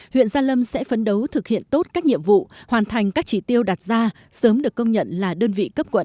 huyện gia lâm sẽ phấn đấu thực hiện tốt các nhiệm vụ hoàn thành các chỉ tiêu đặt ra sớm được công nhận là đơn vị cấp quận